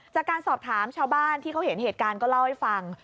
จากการสอบถามชาวบ้านที่เขาเห็นเหตุการณ์ก็เล่าให้ฟัง